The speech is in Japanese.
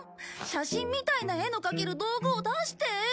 写真みたいな絵の描ける道具を出して！